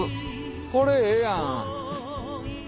これええやん。